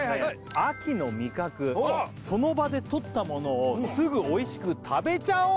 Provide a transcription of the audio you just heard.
秋の味覚その場でとったものをすぐおいしく食べちゃおう